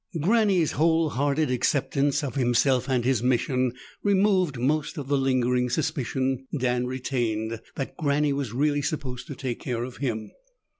Granny's wholehearted acceptance of himself and his mission removed most of the lingering suspicion Dan retained that Granny was really supposed to take care of him.